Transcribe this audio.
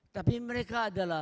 tapi mereka adalah